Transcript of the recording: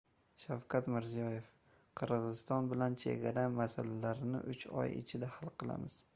Shavkat Mirziyoev: "Qirg‘iziston bilan chegara masalalarini uch oy ichida hal qilamiz"